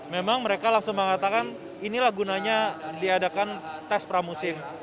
memang mereka langsung mengatakan inilah gunanya diadakan tes pramusim